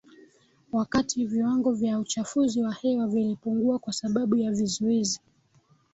wakati viwango vya uchafuzi wa hewa vilipungua kwa sababu ya vizuizi